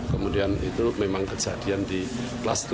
kemudian itu memang kejadian di kelas tujuh